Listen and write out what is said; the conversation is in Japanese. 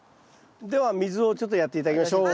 では水をちょっとやって頂きましょう。